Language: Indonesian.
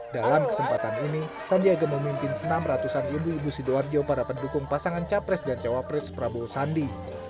dalam kesempatan ini sandiaga memimpin senam ratusan ibu ibu sidoarjo para pendukung pasangan capres dan cawapres prabowo sandi